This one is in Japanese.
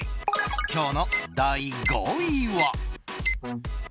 今日の第５位は。